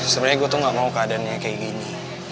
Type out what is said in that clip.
sebenarnya aku tuh enggak mau keadaannya kayak gini